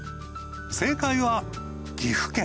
正解は岐阜県。